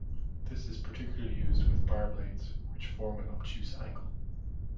This is particularly used with bar blades, which form an obtuse angle.